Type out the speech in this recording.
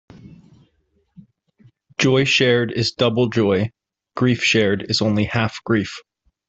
Joy shared is double joy; grief shared is only half grief.